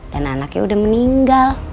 dan anaknya udah meninggal